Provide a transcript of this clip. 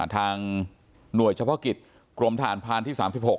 ทางหน่วยเฉพาะกิจกรมทหารพรานที่๓๖